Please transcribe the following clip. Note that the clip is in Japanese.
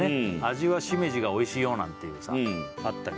味はしめじがおいしいよなんていうさあったけどね